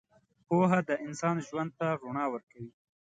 پوهه د انسان ژوند ته رڼا ورکوي.